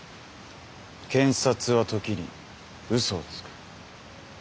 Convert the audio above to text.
検察は時にうそをつく。